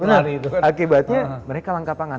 akibatnya mereka langka pangan